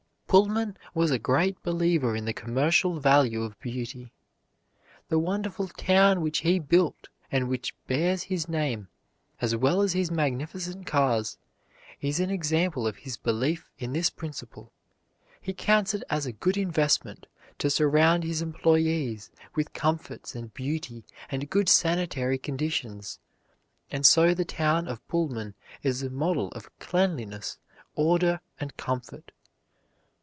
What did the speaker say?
Pullman was a great believer in the commercial value of beauty. The wonderful town which he built and which bears his name, as well as his magnificent cars, is an example of his belief in this principle. He counts it a good investment to surround his employees with comforts and beauty and good sanitary conditions, and so the town of Pullman is a model of cleanliness, order, and comfort.